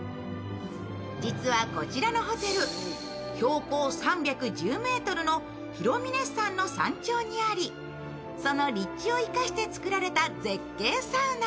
実はこちらのホテル、標高３１０ｍの広嶺山の山頂にありその立地を生かして作られた絶景サウナ。